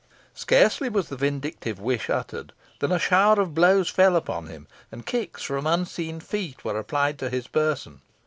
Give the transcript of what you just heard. Scarcely was the vindictive wish uttered than a shower of blows fell upon him, and kicks from unseen feet were applied to his person.